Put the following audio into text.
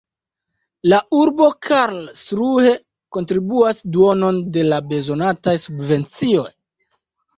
La urbo Karlsruhe kontribuas duonon de la bezonataj subvencioj.